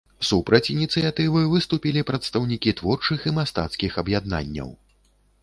Супраць ініцыятывы выступілі прадстаўнікі творчых і мастацкіх аб'яднанняў.